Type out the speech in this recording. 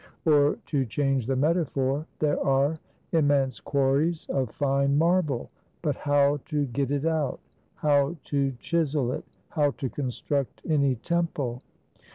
Or, to change the metaphor, there are immense quarries of fine marble; but how to get it out; how to chisel it; how to construct any temple?